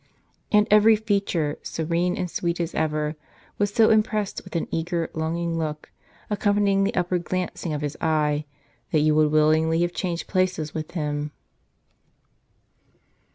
And every feature, serene and sweet as ever, was so impressed with an eager, longing look, accompanying the upward glancing of his eye, that you would willingly have changed places with him."